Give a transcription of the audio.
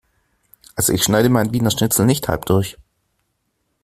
Also ich schneide mein Wiener Schnitzel nicht halb durch.